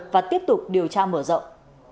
và tiếp tục điều tra mở rộng